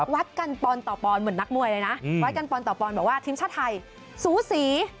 วัดกันปอนต่อปอนดเหมือนนักมวยเลยนะวัดกันปอนต่อปอนบอกว่าทีมชาติไทยสูสี